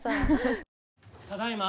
ただいま。